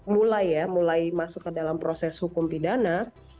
mulai ya mulai masuk ke dalam proses hukum pidana